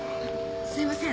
すみません